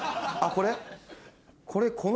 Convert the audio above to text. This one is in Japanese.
これ。